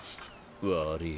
悪ぃ。